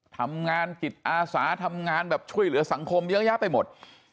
ทำงานจิตอาสาทำงานแบบช่วยเหลือสังคมเยอะแยะไปหมด